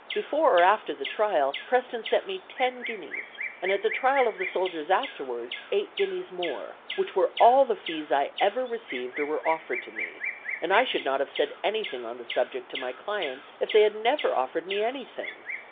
Before or after the trial, Preston sent me ten guineas, and at the trial of the soldiers afterwards, eight guineas more, which were all the fees I ever received or were offered to me, and I should not have said anything on the subject to my clients if they had never offered me anything.